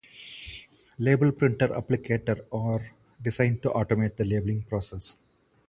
Label printer applicators are designed to automate the labeling process.